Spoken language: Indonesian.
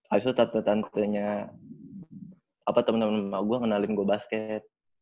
abis itu tante tantenya apa temen temen sama gue ngenalin gue basket